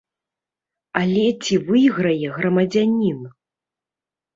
Але ці выйграе грамадзянін?